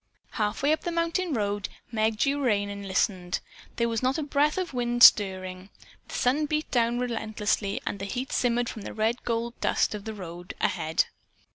Half way up the mountain road Meg drew rein and listened. There was not a breath of wind stirring. The sun beat down relentlessly and heat shimmered from the red gold dust of the road ahead.